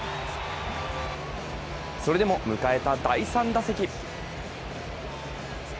それでも迎えた第３打席。